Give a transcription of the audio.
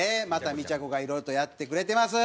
みちゃこがいろいろとやってくれてます。